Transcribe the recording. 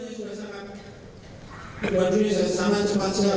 ini sudah sangat kembang dunia sangat cepat sekali